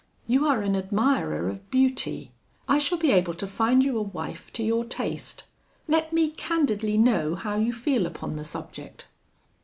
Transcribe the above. You are an admirer of beauty. I shall be able to find you a wife to your taste. Let me candidly know how you feel upon the subject.'